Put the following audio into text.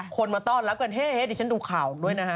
คนมาต้อนรับกันเฮ้ดิฉันดูข่าวด้วยนะฮะ